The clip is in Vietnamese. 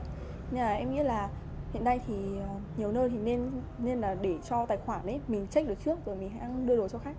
nhưng mà em nghĩ là hiện nay thì nhiều nơi nên là để cho tài khoản mình check được trước rồi mình đưa đồ cho khách